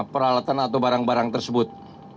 peralatan atau barang barang tersebut